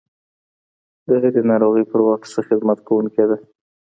د هري ناروغۍ پر وخت ښه خدمت کوونکې ده